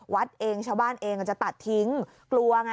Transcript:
วัดเองชาวบ้านเองอาจจะตัดทิ้งกลัวไง